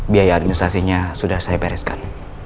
biaya administrasinya sudah saya bereskan